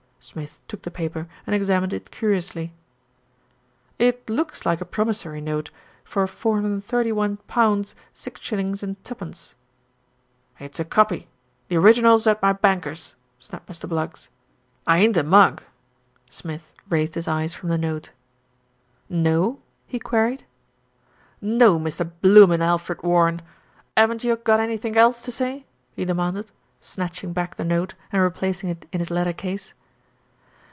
Smith took the paper and examined it curiously. "It looks like a promissory note for 431 6s. 2d." "It's a copy. The original's at my banker's,'* snapped Mr. Bluggs. "I ain't a mug." Smith raised his eyes from the note. "No?" he queried. "No, Mr. Bloomin' Alfred Warren. 'Aven't you got anythink else to say?" he demanded, snatching back the note and replacing it in his letter case.